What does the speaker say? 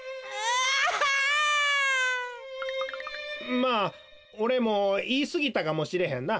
まあおれもいいすぎたかもしれへんな。